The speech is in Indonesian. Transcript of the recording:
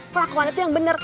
kelakuan itu yang bener